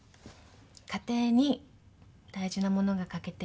家庭に大事なものが欠けている。